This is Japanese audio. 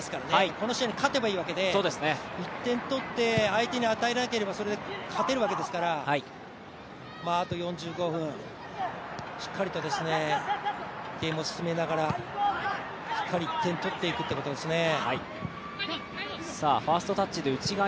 この試合に勝てばいいわけで１点取って相手に与えなければそれで勝てるわけですから、あと４５分、しっかりとゲームを進めながら、しっかり１点取っていくということですね。